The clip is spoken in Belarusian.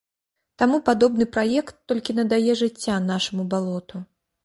Таму падобны праект толькі надае жыцця нашаму балоту.